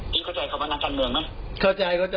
นี่เข้าใจคำว่านักฟันเมืองมั้ยเข้าใจเข้าใจ